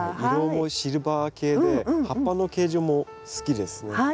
色もシルバー系で葉っぱの形状も好きですね。